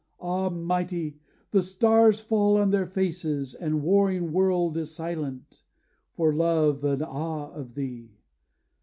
ah, mighty! the stars fall on their faces, The warring world is silent, for love and awe of thee.